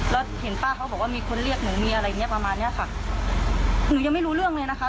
แล้วเห็นป้าเขาบอกว่ามีคนเรียกหนูมีอะไรอย่างเงี้ประมาณเนี้ยค่ะหนูยังไม่รู้เรื่องเลยนะคะ